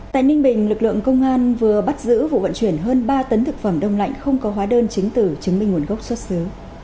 tại ninh bình lực lượng công an vừa bắt giữ vụ vận chuyển hơn ba tấn thực phẩm đông lạnh không có hóa đơn chứng tử chứng minh nguồn gốc xuất xứ